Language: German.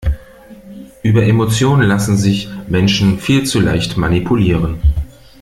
Über Emotionen lassen sich Menschen viel zu leicht manipulieren.